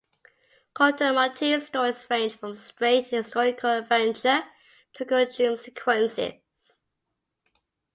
"Corto Maltese" stories range from straight historical adventure to occult dream sequences.